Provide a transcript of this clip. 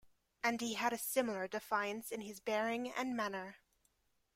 And he had a similar defiance in his bearing and manner.